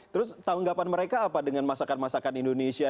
terus tanggapan mereka apa dengan masakan masakan indonesia